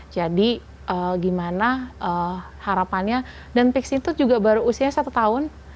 jadi gimana harapannya dan pix itu juga baru usianya satu tahun